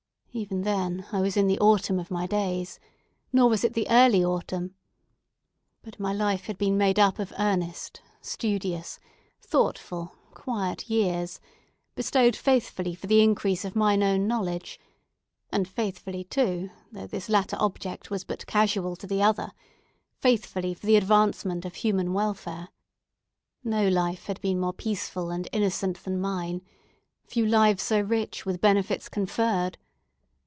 Even then I was in the autumn of my days, nor was it the early autumn. But all my life had been made up of earnest, studious, thoughtful, quiet years, bestowed faithfully for the increase of mine own knowledge, and faithfully, too, though this latter object was but casual to the other—faithfully for the advancement of human welfare. No life had been more peaceful and innocent than mine; few lives so rich with benefits conferred.